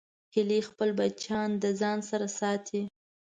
هیلۍ خپل بچیان د ځان سره ساتي